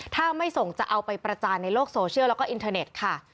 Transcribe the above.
ถ้าไม่ส่งจะเอาไปประจานในโลกโซเชียลแล้วก็อินเทอร์เน็ตค่ะ